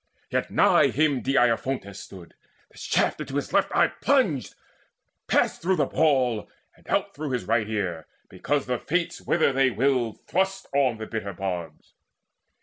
Yet nigh him Deiophontes stood; the shaft Into his left eye plunged, passed through the ball, And out through his right ear, because the Fates Whither they willed thrust on the bitter barbs.